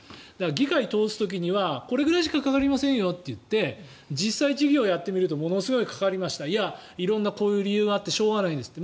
議会を通す時にはこれぐらいしかかかりませんよと言って実際、事業をやってみるとものすごいかかりましたいや、色々なこういう理由があってしょうがないんですって。